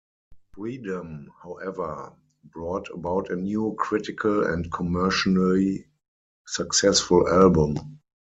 "Freedom", however, brought about a new, critical and commercially successful album.